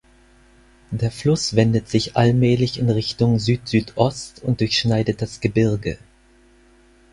Der Fluss wendet sich allmählich in Richtung Südsüdost und durchschneidet das Gebirge.